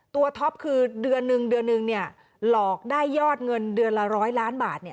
ตัวท็อปคือเดือนหนึ่งหลอกได้ยอดเงินเดือนละ๑๐๐ล้านบาท